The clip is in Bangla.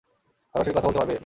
সরাসরি কথা বলতে পারবে?